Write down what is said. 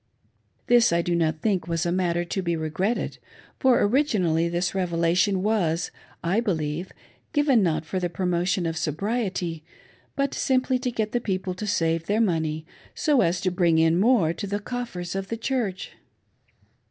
This I do not think was a matter to be regretted ; for orig inally this revelation was, I believe, given not for the promo^: tjpR qf sobriety, but simply to get the people to save their money, so a§ to bring in more to the coffers of the Chucchr 502 BROTltER BRIGHAM S WHISKEY.